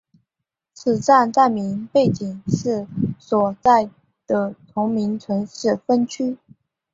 此站站名背景是所在的同名城市分区。